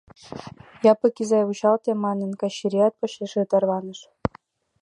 — Япык изай, вучалте! — манын, Качырият почешыже тарваныш.